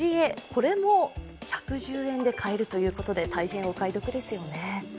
これも１１０円で買えるということで大変お買い得ですよね。